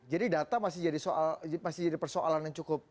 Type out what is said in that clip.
jadi data masih jadi persoalan yang cukup